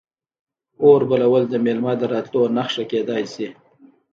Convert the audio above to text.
اور بلول د میلمه د راتلو نښه کیدی شي.